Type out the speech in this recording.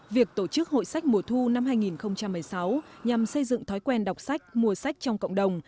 việc tổ chức hội sách mùa thu năm hai nghìn một mươi sáu nhằm xây dựng thói quen đọc sách mua sách trong cộng đồng